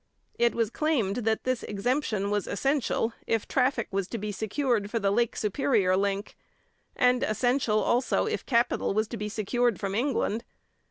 It was claimed that this exemption was essential if traffic was to be secured for the Lake Superior link, and essential also if capital was to be secured from England.